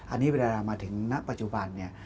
อันนี้เวลามาถึงณปัจจุบันเนี่ย